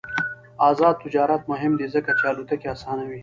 آزاد تجارت مهم دی ځکه چې الوتکې اسانوي.